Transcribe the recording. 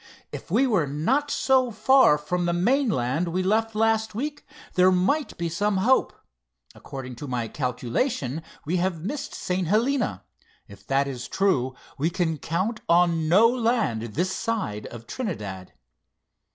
"If we were not so far from the mainland we left last week, there might be some hope. According to my calculation, we have missed St. Helena. If that is true, we can count on no land this side of Trinidad."